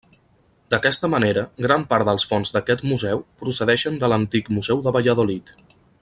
D'aquesta manera, gran part dels fons d'aquest museu procedeixen de l'antic museu de Valladolid.